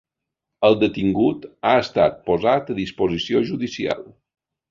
El detingut ha estat posat a disposició judicial.